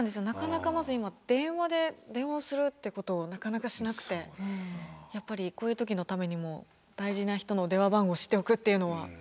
なかなかまず今電話で電話するってことをなかなかしなくてやっぱりこういう時のためにも大事な人の電話番号知っておくっていうのは。